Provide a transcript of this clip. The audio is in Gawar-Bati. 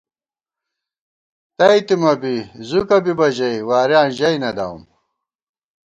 تئ تِمہ بی زُوکہ بِبہ ژَئی، وارِیاں ژَئی نہ داوُم